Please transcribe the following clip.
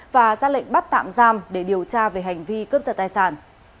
và ra lệnh bắt tạm giam để điều tra về hành vi cướp giật tài sản